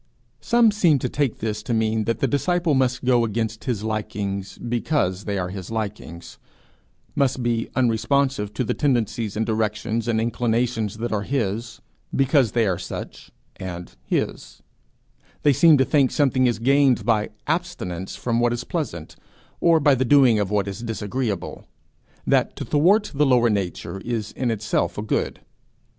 Some seem to take this to mean that the disciple must go against his likings because they are his likings; must be unresponsive to the tendencies and directions and inclinations that are his, because they are such, and his; they seem to think something is gained by abstinence from what is pleasant, or by the doing of what is disagreeable that to thwart the lower nature is in itself a good.